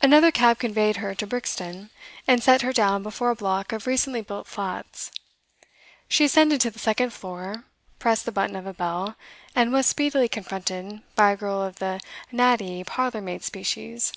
Another cab conveyed her to Brixton, and set her down before a block of recently built flats. She ascended to the second floor, pressed the button of a bell, and was speedily confronted by a girl of the natty parlour maid species.